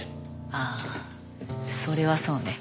ああそれはそうね。